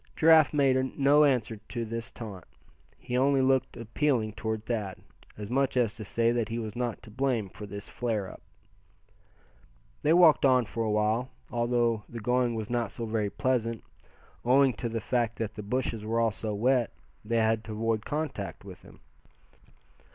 Giraffe made no answer to this taunt. He only looked appealing toward Thad, as much as to say that he was not to blame for this flare up. They walked on for a while, although the going was not so very pleasant, owing to the fact that the bushes were all so wet, they had to avoid contact with them.